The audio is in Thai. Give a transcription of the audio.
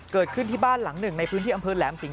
เกิดขึ้นที่บ้านหลังหนึ่งในพื้นที่อำเภอแหลมสิงห